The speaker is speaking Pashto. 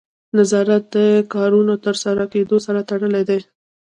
نظارت د کارونو د ترسره کیدو سره تړلی دی.